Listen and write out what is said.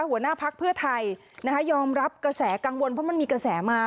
หัวหน้าพักเพื่อไทยยอมรับกระแสกังวลเพราะมันมีกระแสมา